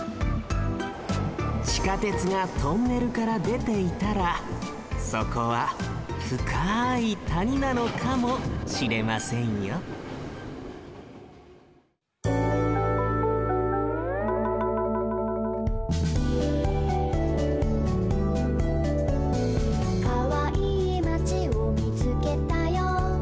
地下鉄がトンネルからでていたらそこはふかいたになのかもしれませんよ「かわいいまちをみつけたよ」